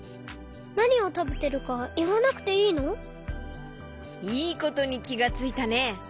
なにをたべてるかいわなくていいの？いいことにきがついたね！